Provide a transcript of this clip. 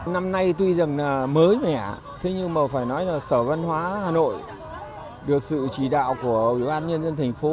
năm nay tuy rằng mới mẻ thế nhưng mà phải nói là sở văn hóa hà nội được sự chỉ đạo của ubnd tp